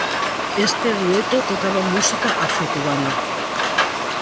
Este dueto tocaba música afro-cubana.